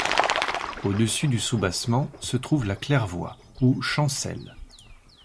Au-dessus du soubassement se trouve la claire-voie ou chancel.